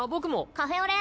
カフェオレ。